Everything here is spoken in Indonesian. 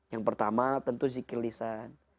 yang pertama tentu zikir lisan